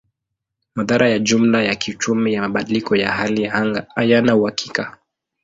Madhara ya jumla ya kiuchumi ya mabadiliko ya hali ya anga hayana uhakika.